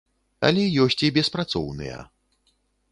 Але ёсць і беспрацоўныя.